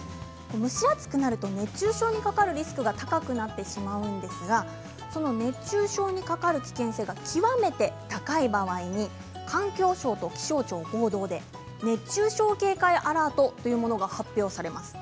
蒸し暑くなると熱中症にかかるリスクが高くなってしまうんですがその熱中症にかかる危険性が極めて高い場合には環境省と気象庁のほうで熱中症警戒アラートというものが発表されます。